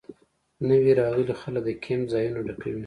نوي راغلي خلک د کیمپ ځایونه ډکوي